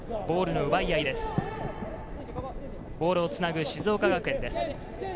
ボールをつなぐ静岡学園です。